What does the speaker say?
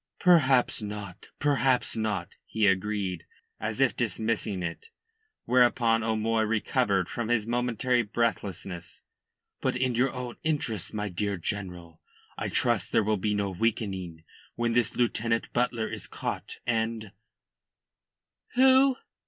"Perhaps not; perhaps not," he agreed, as if dismissing it, whereupon O'Moy recovered from his momentary breathlessness. "But in your own interests, my dear General, I trust there will be no weakening when this Lieutenant Butler is caught, and " "Who?"